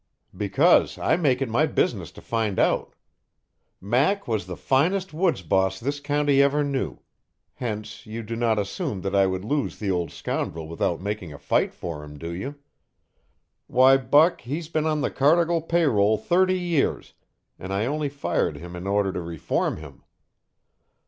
"Because I make it my business to find out. Mac was the finest woods boss this county ever knew; hence you do not assume that I would lose the old scoundrel without making a fight for him, do you? Why, Buck, he's been on the Cardigan pay roll thirty years, and I only fired him in order to reform him.